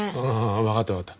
わかったわかった。